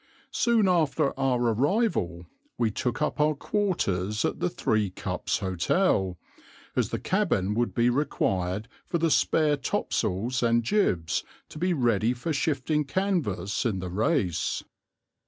Soon after our arrival we took up our quarters at the Three Cups Hotel, as the cabin would be required for the spare top sails and jibs to be ready for shifting canvas in the race.